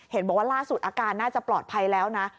เห็นบอกว่าล่าสุดอาการน่าจะปลอดภัยแล้วนะ